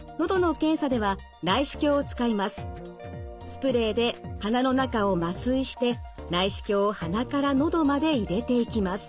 スプレーで鼻の中を麻酔して内視鏡を鼻から喉まで入れていきます。